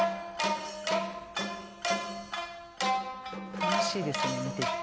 楽しいですね見てて。